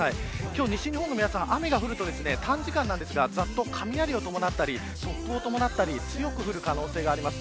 今日、西日本の皆さん、雨が降ると短時間ですが雷を伴ったり突風を伴ったり強く降る可能性があります。